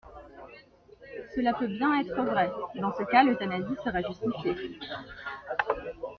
Cela peut bien être vrai, et dans ce cas l'euthanasie serait justifiée.